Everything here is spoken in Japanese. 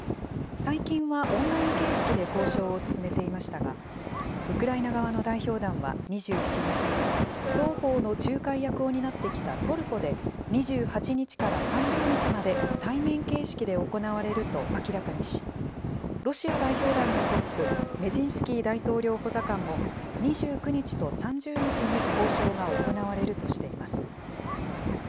最近はオンライン形式で交渉を進めていましたが、ウクライナ側の代表団は２７日、双方の仲介役を担ってきたトルコで、２８日から３０日まで、対面形式で行われると明らかにし、ロシア代表団のトップ、メジンスキー大統領補佐官も、２９日と３０日に交渉が行われるとしています。